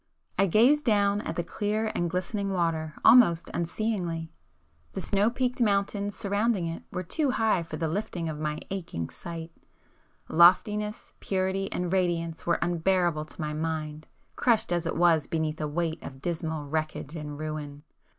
I gazed down at the clear and glistening water almost unseeingly,—the snow peaked mountains surrounding it were too high for the lifting of my aching sight,—loftiness, purity, and radiance were unbearable to my mind, crushed as it was beneath a weight of dismal wreckage and ruin.